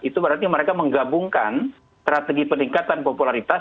itu berarti mereka menggabungkan strategi peningkatan popularitas